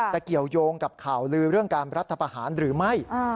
เกี่ยวยงกับข่าวลือเรื่องการรัฐประหารหรือไม่